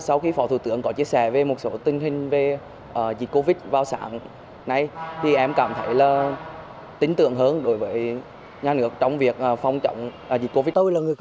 sau khi phó thủ tưởng có chia sẻ về một số tình hình về dịch covid vào sáng này thì em cảm thấy là tính tượng hơn đối với nhà nước trong việc phong trọng dịch covid